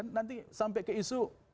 nanti sampai ke isu